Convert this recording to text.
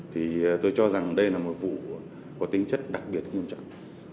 thì tôi cho rằng đây là một vụ có tính chất đặc biệt nghiêm trọng